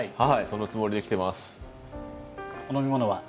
そのつもりで来てます。